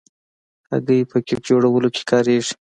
هګۍ په کیک جوړولو کې کارېږي.